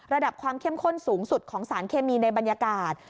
ระดับความเข้มข้นสูงสุดของสารเคมีในบรรยากาศ